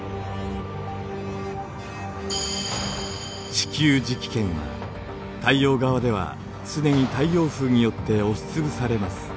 地球磁気圏は太陽側では常に太陽風によって押しつぶされます。